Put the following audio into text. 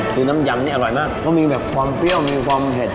คือน้ำยำนี่อร่อยมากเขามีแบบความเปรี้ยวมีความเผ็ด